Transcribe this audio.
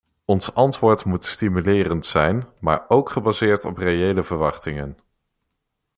Ons antwoord moet stimulerend zijn, maar ook gebaseerd op reële verwachtingen.